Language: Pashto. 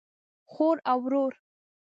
خور او ورور